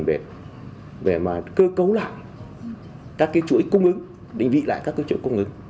về cơ cấu lại các chuỗi cung ứng định vị lại các chuỗi cung ứng